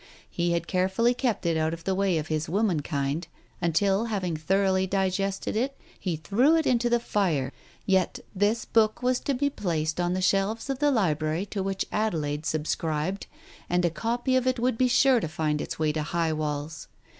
He had carefully kept it out of the way of his womenkind, until having thoroughly digested it, he threw it into the fire. Yet this book was to be placed on the shelves of the Library to which Ade laide subscribed, and a copy of it would be sure to find its way to High Walls